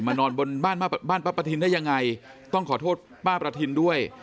นอนบนบ้านบ้านป้าประทินได้ยังไงต้องขอโทษป้าประทินด้วย